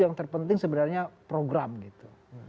yang terpenting sebenarnya program gitu